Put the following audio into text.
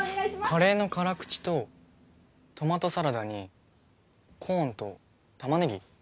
カレーの辛口とトマトサラダにコーンとタマネギ？